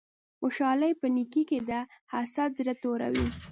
خوشحالی په نیکې کی ده حسد زړه توروی